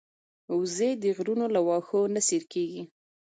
وزې د غرونو له واښو نه سیر کېږي